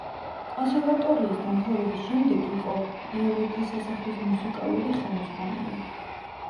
კონსერვატორიის დამთავრების შემდეგ იყო პიონერთა სასახლის მუსიკალური ხელმძღვანელი.